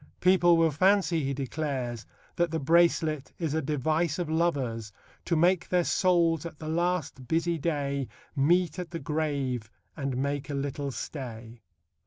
People will fancy, he declares, that the bracelet is a device of lovers To make their souls at the last busy day Meet at the grave and make a little stay.